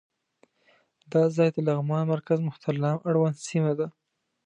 دا ځای د لغمان مرکز مهترلام اړوند سیمه ده.